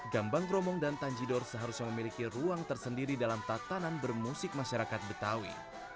gambang kromong dan tanjidor seharusnya memiliki ruang tersendiri dalam tatanan bermusik masyarakat betawi